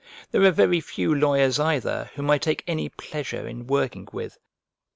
There are very few lawyers either whom I take any pleasure in working with.